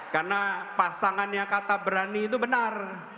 karena pasangannya kata berani itu benar